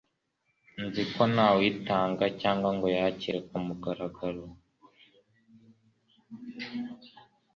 nziko ntawuyitanga cyangwa ngo ayakire kumugaragaro.